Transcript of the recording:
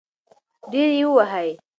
ډېر يې ووهی .